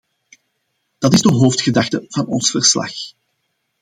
Dat is de hoofdgedachte van ons verslag.